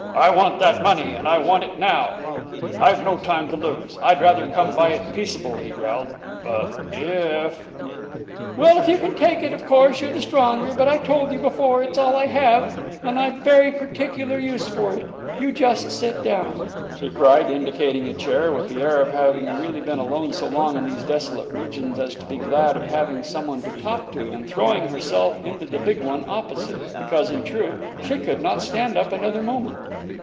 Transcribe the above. "I want that money! and I want it now! I've no time to lose. I'd rather come by it peaceable," he growled, "but if " "Well, you can take it; of course, you're the stronger. But I told you before, it's all I have, and I've very particular use for it. You just sit down!" she cried, indicating a chair, with the air of really having been alone so long in these desolate regions as to be glad of having some one to talk to, and throwing herself into the big one opposite, because in truth she could not stand up another moment.